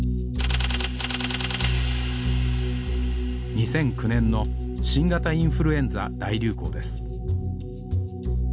２００９年の新型インフルエンザ大流行です